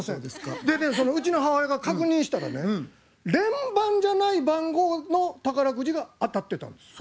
でねうちの母親が確認したらね連番じゃない番号の宝くじが当たってたんです。